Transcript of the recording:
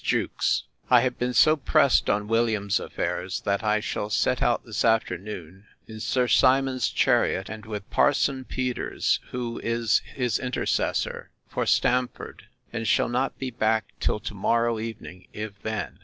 JEWKES, 'I have been so pressed on Williams's affair, that I shall set out this afternoon, in Sir Simon's chariot, and with Parson Peters, who is his intercessor, for Stamford; and shall not be back till to morrow evening, if then.